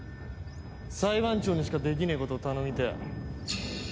裁判長にしかできねえことを頼みてえ。